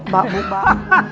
bapak bu bapak